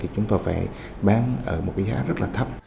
chúng tôi phải bán ở một cái giá rất là thấp